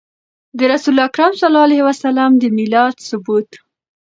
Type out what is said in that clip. د رسول اکرم صلی الله عليه وسلم د ميلاد ثبوت